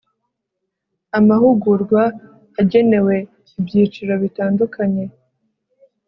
amahugurwa agenewe ibyiciro bitandukanye